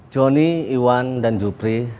joni iwan dan jupri